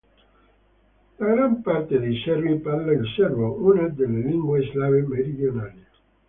La gran parte dei serbi parla il serbo, una delle lingue slave meridionali.